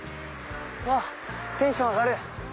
うわっテンション上がる！